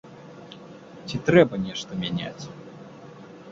Ці трэба нешта мяняць?